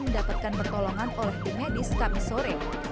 mendapatkan pertolongan oleh tim medis kami sore